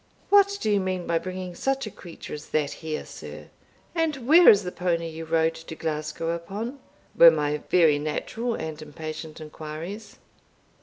"What do you mean by bringing such a creature as that here, sir? and where is the pony you rode to Glasgow upon?" were my very natural and impatient inquiries.